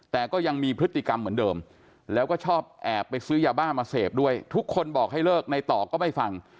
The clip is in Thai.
แต่ก็ยังมีพฤติกรรมเหมือนเดิมแล้วก็ชอบแอบไปซื้อยาบ้ามาเสพด้วยทุกคนบอกให้เลิกในต่อก็ไม่ฟัง